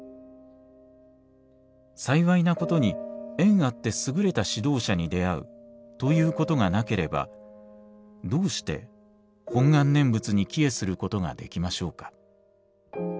幸いなことに縁あってすぐれた指導者に出遭うということがなければどうして本願念仏に帰依することができましょうか。